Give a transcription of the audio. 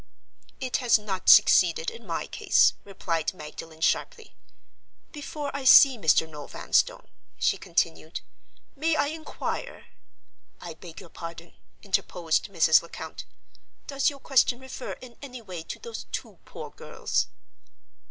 "It has not succeeded in my case," replied Magdalen, sharply. "Before I see Mr. Noel Vanstone," she continued, "may I inquire—" "I beg your pardon," interposed Mrs. Lecount. "Does your question refer in any way to those two poor girls?"